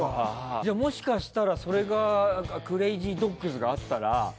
じゃもしかしたらそれがクレイジードッグスがあったら。